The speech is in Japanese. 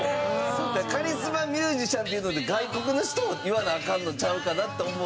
カリスマミュージシャンっていうので外国の人を言わなアカンのちゃうかなと思って。